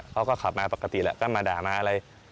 เขาก็ขับมาปกติแหละก็มาด่ามาอะไร